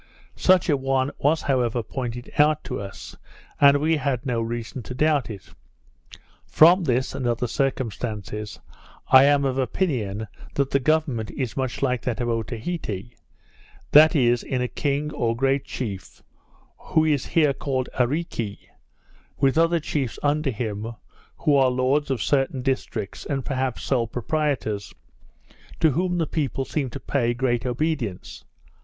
Such an one was however pointed out to us; and we had no reason to doubt it. From this, and other circumstances, I am of opinion that the government is much like that of Otaheite: That is, in a king or great chief, who is here called Areeke, with other chiefs under him, who are lords of certain districts, and perhaps sole proprietors, to whom the people seem to pay great obedience.